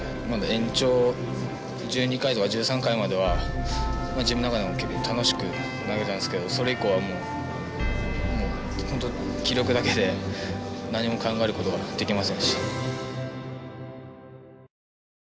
延長１２回とか１３回までは自分の中でも結構楽しく投げたんですけどそれ以降はもう本当気力だけで何も考えることができませんでした。